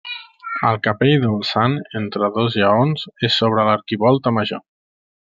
El capell del sant entre dos lleons és sobre l'arquivolta major.